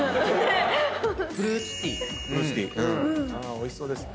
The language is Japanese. おいしそうですね。